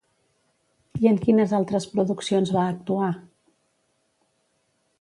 I en quines altres produccions va actuar?